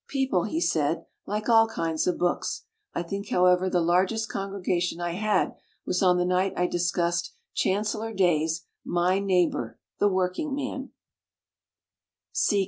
"People", he said "like aU kinds of books. I think, however, the largest con gregation I had was on the night I discussed ChanceUor Day's 'My Neighbor, The Working Man'."